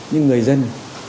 nhưng người dân